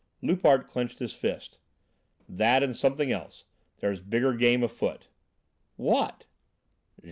Loupart clenched his fists. "That and something else; there's bigger game afoot." "What?"